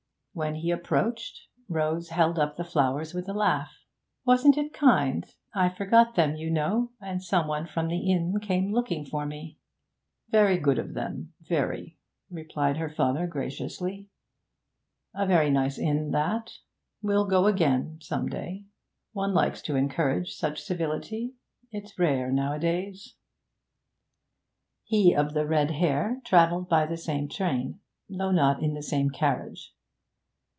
When he approached, Rose held up the flowers with a laugh. 'Wasn't it kind? I forgot them, you know, and some one from the inn came looking for me.' 'Very good of them, very,' replied her father graciously. 'A very nice inn, that. We'll go again some day. One likes to encourage such civility; it's rare nowadays.' He of the red hair travelled by the same train, though not in the same carriage.